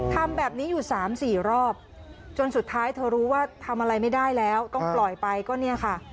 ทำแบบนี้อยู่๓๔รอบจนสุดท้ายเธอรู้ว่าทำอะไรไม่ได้แล้วต้องปล่อยไปก็เนี่ยค่ะ